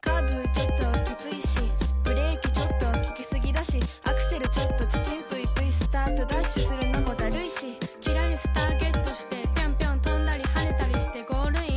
ちょっときついしブレーキちょっと効き過ぎだしアクセルちょっとちちんぷいぷいスタートダッシュするのもダルイしきらりスターゲットしてぴょんぴょん飛んだり跳ねたりしてゴールイン？！